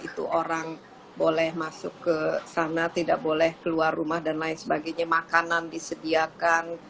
itu orang boleh masuk ke sana tidak boleh keluar rumah dan lain sebagainya makanan disediakan